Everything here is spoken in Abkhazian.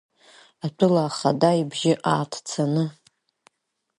Атәыла ахада ибжьы ааҭцаны.